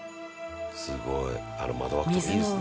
「すごい」「あの窓枠とかいいですね」